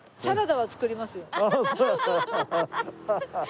サラダは作りますよ。